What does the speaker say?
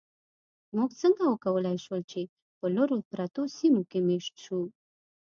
موږ څنګه وکولی شول، چې په لرو پرتو سیمو کې مېشت شو؟